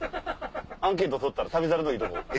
アンケート取ったら『旅猿』のいいとこ。